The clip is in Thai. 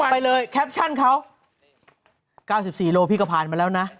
ละบุไปเลยแคปชั่นเขา๙๔กิโลกรัมพี่ก็ผ่านมาแล้วนะ